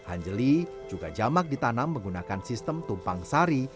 angeli juga jamak ditanam menggunakan sistem tumpang sari